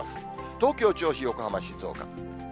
東京、銚子、横浜、静岡。